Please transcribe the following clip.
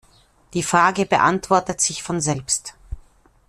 Die Frage beantwortet sich von selbst.